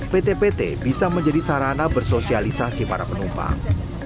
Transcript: pt pt bisa menjadi sarana bersosialisasi para penumpang